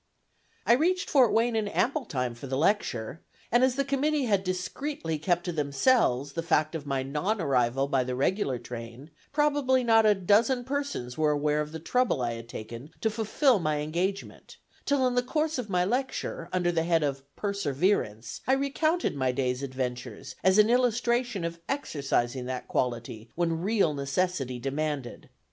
I reached Fort Wayne in ample time for the lecture; and as the committee had discreetly kept to themselves the fact of my non arrival by the regular train, probably not a dozen persons were aware of the trouble I had taken to fulfil my engagement, till in the course of my lecture, under the head of "perseverance," I recounted my day's adventures, as an illustration of exercising that quality when real necessity demanded.